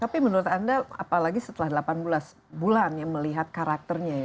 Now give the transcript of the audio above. tapi menurut anda apalagi setelah delapan belas bulan ya melihat karakternya ya